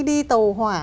đi tàu hỏa